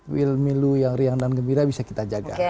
wilmilu yang riang dan gembira bisa kita jaga